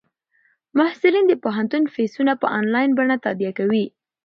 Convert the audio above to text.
محصلین د پوهنتون فیسونه په انلاین بڼه تادیه کوي.